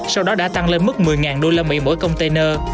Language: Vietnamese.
sau đó đã tăng lên mức một mươi usd mỗi container